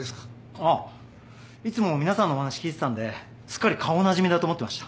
ああいつも皆さんのお話聞いてたんですっかり顔なじみだと思ってました。